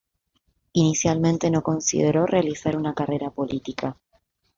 Inicialmente, no consideró realizar una carrera política.